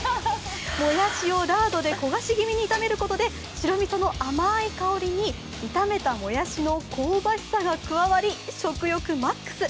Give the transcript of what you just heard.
もやしをラードで焦がし気味に炒めることで白みその甘い香りに炒めたもやしの香ばしさが加わり食欲マックス。